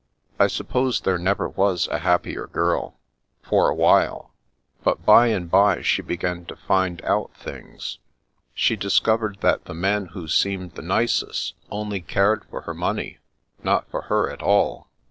I suppose there never was a happier girl — for a while. But by and bye she began to find out things. She discovered that the men who seemed the nicest only cared for her money, not for her at all."